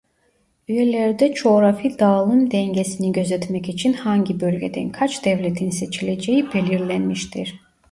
Üyelerde coğrafi dağılım dengesini gözetmek için hangi bölgeden kaç devletin seçileceği belirlenmiştir.